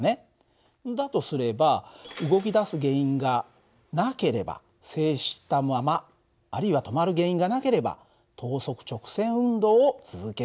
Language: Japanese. だとすれば動き出す原因がなければ静止したままあるいは止まる原因がなければ等速直線運動を続けるはずだ。